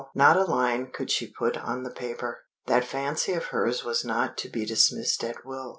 Not a line could she put on the paper. That fancy of hers was not to be dismissed at will.